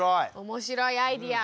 面白いアイデア。